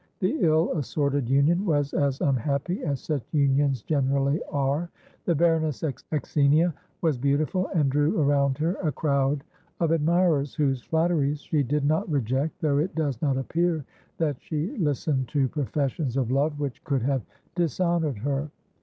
The ill assorted union was as unhappy as such unions generally are. The Baroness Axinia was beautiful, and drew around her a crowd of admirers, whose flatteries she did not reject, though it does not appear that she listened to professions of love which could have dishonoured her.